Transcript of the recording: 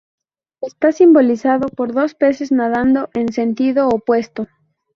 Está simbolizado por dos peces nadando en sentidos opuestos.